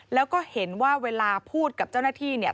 แล้วก็เห็นว่าเวลาพูดกับเจ้าหน้าที่เนี่ย